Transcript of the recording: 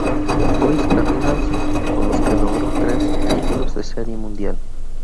Louis Cardinals, con los que logró tres títulos de Serie Mundial.